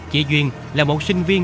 chị duyên là một sinh viên